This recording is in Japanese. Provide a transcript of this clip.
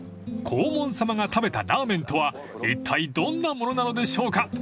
［黄門さまが食べたラーメンとはいったいどんなものなのでしょうか？］